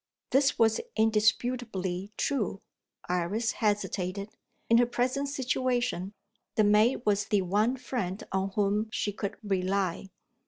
This was indisputably true. Iris hesitated. In her present situation, the maid was the one friend on whom she could rely.